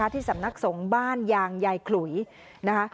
ที่สำนักสงฆ์บ้านยางยายขลุยนะคะ